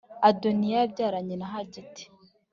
adoniya yabyaranye na hagiti